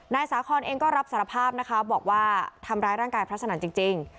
นายสาคอนเองก็รับสารภาพนะคะบอกว่าทำร้ายร่างกายพระสนั่นจริง